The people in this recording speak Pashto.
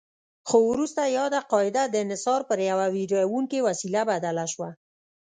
خو وروسته یاده قاعده د انحصار پر یوه ویروونکې وسیله بدله شوه.